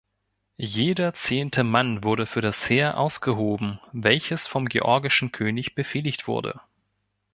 Jeder zehnte Mann wurde für das Heer ausgehoben, welches vom georgischen König befehligt wurde.